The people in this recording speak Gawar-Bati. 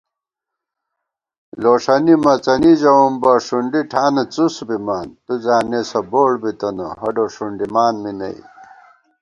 لوݭَنی مڅَنی ژَوُم بہ ݭُنڈی ٹھانہ څُس بِمان * تُو زانېسہ بوڑ بِتنہ ہڈو ݭُنڈمان می نئ